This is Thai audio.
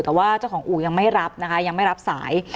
แต่ว่าเจ้าของอู่ยังไม่รับนะคะยังไม่รับสาย